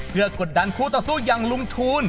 เพื่อกดดันคู่ต่อสู้อย่างลุงทูล